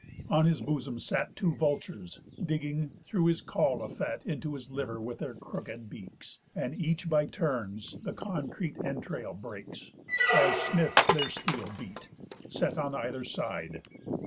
On his bosom sat Two vultures, digging, through his caul of fat, Into his liver with their crookéd beaks; And each by turns the concrete entrail breaks (As smiths their steel beat) set on either side.